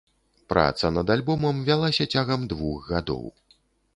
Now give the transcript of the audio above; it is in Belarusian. Праца над альбомам вялася цягам двух гадоў.